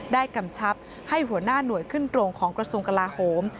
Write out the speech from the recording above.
กำชับให้หัวหน้าหน่วยขึ้นตรงของกระทรวงกลาโหม